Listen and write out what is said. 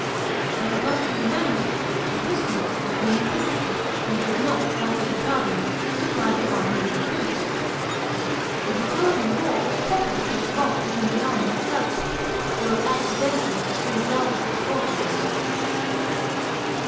But it must be remembered that the Cheruscans were only tributaries, and did not, like the Ratavians, supply the army with recruits. The Batavian war was properly a revolt within the army itself, though it accidentally assumed larger proportions.